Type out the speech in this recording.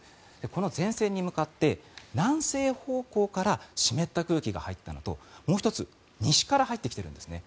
この前線に向かって南西方向から湿った空気が入ったのともう１つ、西から入ってきているんですね。